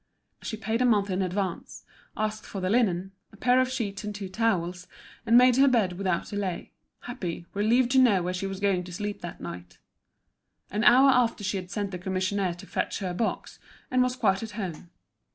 She paid a month in advance, asked for the linen—a pair of sheets and two towels, and made her bed without delay, happy, relieved to know where she was going to sleep that night An hour after she had sent a commissionaire to fetch her box, and was quite at home.